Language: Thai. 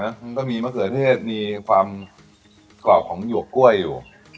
มันก็มีมะเขือเทศมีความกรอบของหยวกกล้วยอยู่